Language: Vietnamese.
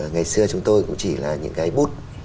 ngày xưa chúng tôi cũng chỉ là những cái bút